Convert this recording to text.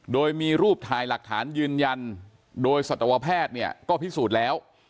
โดยมีรูปถ่ายหลักฐานยืนยันโดยสัตวแพทย์เนี่ยก็พิสูจน์แล้ว